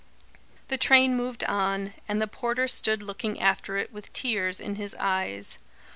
The train moved on, and the porter stood looking after it with tears in his eyes.